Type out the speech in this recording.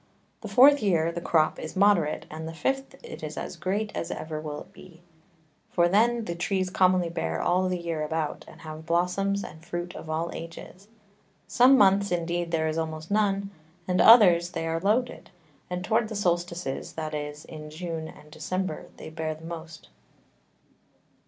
The fourth Year the Crop is moderate, and the fifth it is as great as ever it will be; for then the Trees commonly bear all the Year about, and have Blossoms and Fruit of all Ages. Some Months indeed there is almost none, and others, they are loaded; and towards the Solstices, that is, in June and December, they bear most.